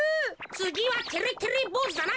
つぎはてれてれぼうずだな。